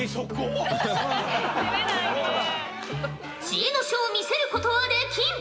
知恵の書を見せることはできん！